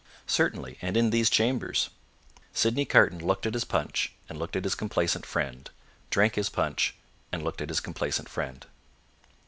"Certainly; and in these chambers." Sydney Carton looked at his punch and looked at his complacent friend; drank his punch and looked at his complacent friend.